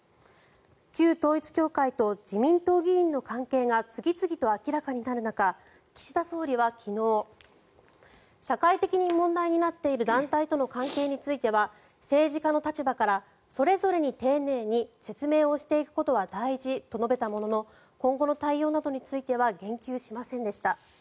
旧統一教会と自民党議員の関係が次々と明らかになる中岸田総理は昨日社会的に問題になっている団体との関係については政治家の立場からそれぞれに丁寧に説明をしていくことは大事と述べたものの今後の対応などについては言及しませんでした。